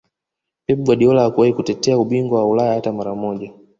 Pep Guardiola hakuwahi kutetea ubingwa wa Ulaya hata mara moja